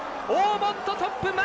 オーモットトップ。